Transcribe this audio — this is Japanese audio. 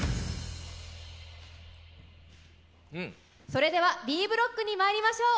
それではＢブロックにまいりましょう。